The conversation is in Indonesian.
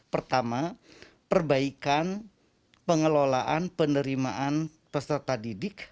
pertama perbaikan pengelolaan penerimaan peserta didik